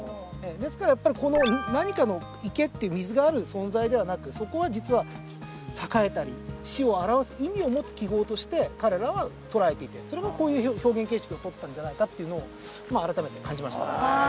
ですからやっぱり何かの池って水がある存在ではなくそこは実は栄えたり死を表す意味を持つ記号として彼らは捉えていてそれがこういう表現形式をとったんじゃないかっていうのを今改めて感じました。